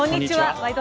「ワイド！